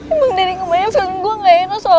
emang dari kemarin film gue gak enak soal papa